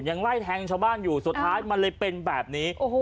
ยังไล่แทงชาวบ้านอยู่สุดท้ายมันเลยเป็นแบบนี้